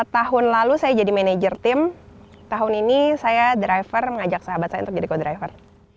tahun lalu saya jadi manajer tim tahun ini saya driver mengajak sahabat saya untuk jadi co driver